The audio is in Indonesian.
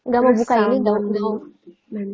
gak mau buka ini daun daun